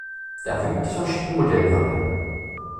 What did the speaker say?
Dafür gibt es verschiedene Modellvarianten.